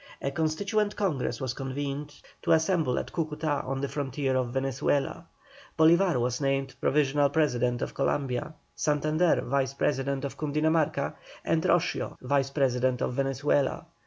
A Constituent Congress was convened, to assemble at Cúcuta on the frontier of Venezuela. Bolívar was named provisional President of Columbia, Santander Vice President of Cundinamarca, and Roscio Vice President of Venezuela.